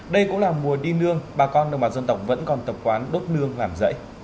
đây cũng là mùa đi nương bà con đồng bào dân tộc vẫn còn tập quán đốt nương làm rẫy